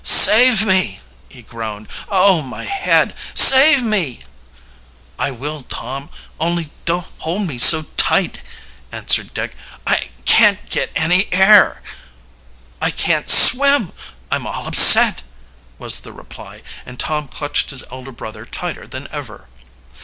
"Save me!" he groaned. "Oh, my head! Save me!" "I will, Tom; only don't hold me so tight," answered Dick. "I can't get any air." "I can't swim I'm all upset," was the reply; and Tom clutched his elder brother tighter than ever.